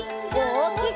おおきく！